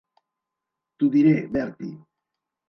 T'ho diré, Bertie.